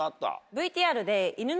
ＶＴＲで。